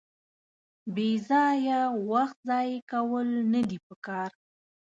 بېځایه وخت ځایه کول ندي پکار.